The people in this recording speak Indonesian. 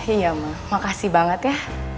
iya makasih banget ya